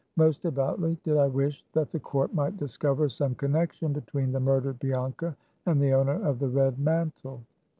Most devoutly did I wish that the court might discover some connection between the murdered Bianca and the owner of the red mantle.